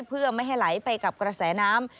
เพื่อไม่ให้ไหลไปกับกระแสน้ำ